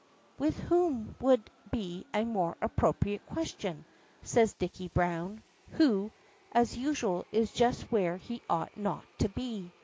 "With whom would be a more appropriate question," says Dicky Browne, who, as usual, is just where he ought not to be.